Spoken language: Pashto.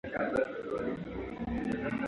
کوټه کې هر څه پر خپل ځای پراته وو.